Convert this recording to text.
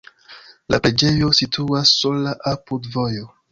La preĝejo situas sola apud vojo.